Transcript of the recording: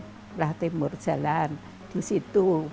sebelah timur jalan di situ